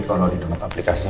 belum ada balasan